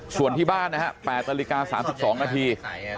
ส่วนที่บ้านนะฮะแปดนาฬิกาสามสิบสองนาที